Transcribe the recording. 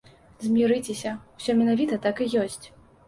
Змірыцеся, усё менавіта так і ёсць.